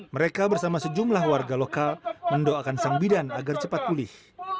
mereka bersama sejumlah warga lokal mendoakan sang bidan agar cepat pulih